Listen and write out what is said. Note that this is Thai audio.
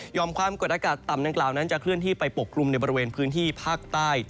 ความกดอากาศต่ำดังกล่าวนั้นจะเคลื่อนที่ไปปกกลุ่มในบริเวณพื้นที่ภาคใต้